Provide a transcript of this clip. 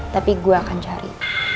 tapi gue akan cari